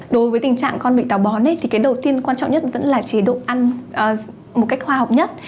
đối với tình trạng con bị đào bón thì cái đầu tiên quan trọng nhất vẫn là chế độ ăn một cách khoa học nhất